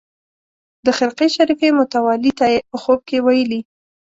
د خرقې شریفې متولي ته یې په خوب کې ویلي.